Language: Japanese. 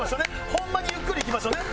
ホンマにゆっくりいきましょうね。